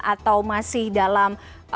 atau masih dalam